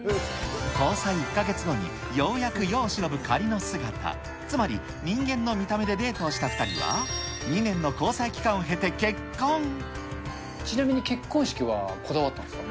交際１か月後に、ようやく世を忍ぶ仮の姿、つまり人間の見た目でデートをした２人は、２年の交際期間を経てちなみに結婚式はこだわったんですか？